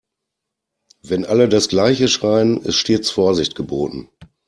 Wenn alle das gleiche schreien, ist stets Vorsicht geboten.